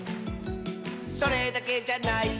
「それだけじゃないよ」